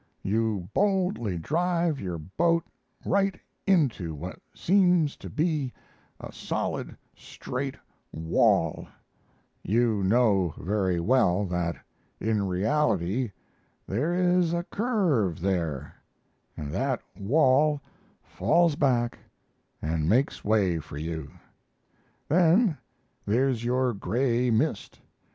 You boldly drive your boat right into what seems to be a solid, straight wall (you know very well that in reality there is a curve there), and that wall falls back and makes way for you. Then there's your gray mist.